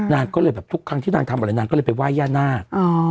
นางก็เลยแบบทุกครั้งที่นางทำอะไรนางก็เลยไปไหว้ย่านาค